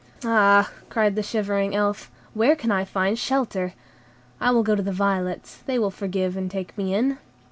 "Ah," cried the shivering Elf, "where can I find shelter? I will go to the violets: they will forgive and take me in."